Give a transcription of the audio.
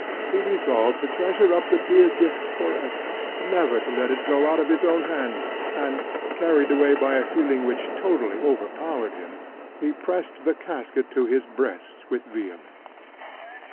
He resolved to treasure up the dear gift for ever, never to let it go out of his own hands; and, carried away by a feeling which totally overpowered him, he pressed the casket to his breast with vehemence.